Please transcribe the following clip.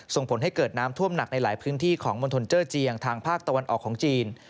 ส่งผลให้เกิดน้ำท่วมหนักในหลายพื้นที่ของมณฑลเจอร์เจียงทางภาคตะวันออกของจีน